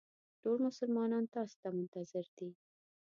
ټول مېلمانه تاسو ته منتظر دي.